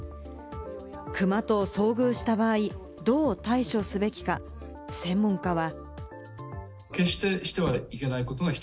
クマと遭遇した場合、どう対処すべきか、専門家は。